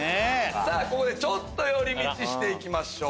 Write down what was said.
ここでちょっと寄り道していきましょう。